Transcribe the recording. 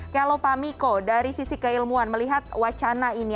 kalau pak miko dari sisi keilmuan melihat wacana ini